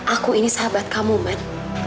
aku ini sahabat kamu man